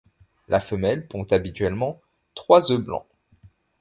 La femelle pond habituellement trois œufs blancs.